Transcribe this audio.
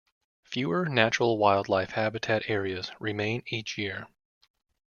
Fewer natural wildlife habitat areas remain each year.